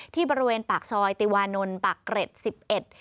ที่บริเวณปากซอยติวานนปากเกร็ด๑๑